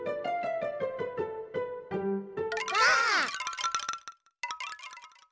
ばあっ！